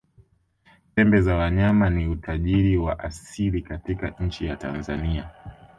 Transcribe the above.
pembe za wanyama ni utajiri wa asili katika nchi ya tanzania